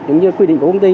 như quy định của công ty